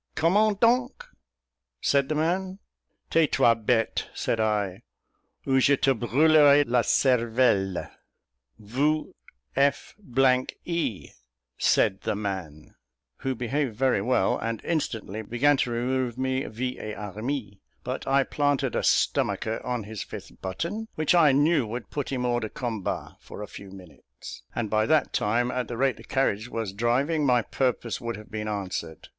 "Comment donc?" said the man. "Tais toi bête" said I, "ou je te brulerai la cervelle." "Vous f e," said the man, who behaved very well, and instantly began to remove me, vi et armis; but I planted a stomacher in his fifth button, which I knew would put him hors de combat for a few minutes, and by that time, at the rate the carriage was driving, my purpose would have been answered.